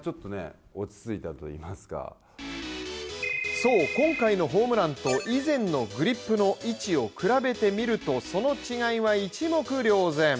そう、今回のホームランと以前のグリップの位置を比べてみるとその違いは一目瞭然。